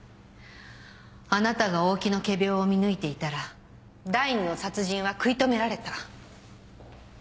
あなたが大木の仮病を見抜いていたら第２の殺人は食い止められた。